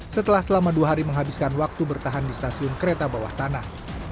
setelah selama dua hari menghabiskan waktu bertahan di stasiun kereta bawah tanah